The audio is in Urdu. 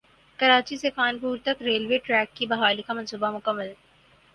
کراچی سے خانپور تک ریلوے ٹریک کی بحالی کا منصوبہ مکمل